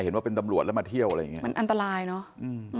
เห็นว่าเป็นตำรวจแล้วมาเที่ยวอะไรอย่างเงี้มันอันตรายเนอะอืม